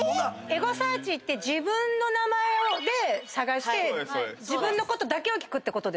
エゴサーチって自分の名前で探して自分のことだけを聞くってこと？